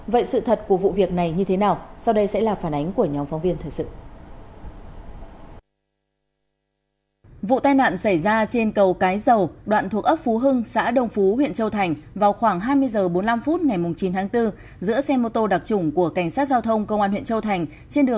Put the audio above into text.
vậy sự thật của vụ việc này như thế nào sau đây sẽ là phản ánh của nhóm phóng viên thời sự